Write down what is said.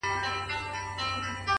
• چا د مشر چا د کشر دا منلي ,